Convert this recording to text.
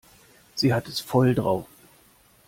Sie hat es voll drauf.